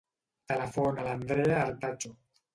Telefona a l'Andrea Artacho.